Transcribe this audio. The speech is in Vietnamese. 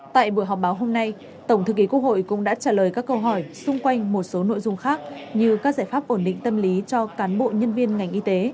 tại buổi họp báo hôm nay tổng thư ký quốc hội cũng đã trả lời các câu hỏi xung quanh một số nội dung khác như các giải pháp ổn định tâm lý cho cán bộ nhân viên ngành y tế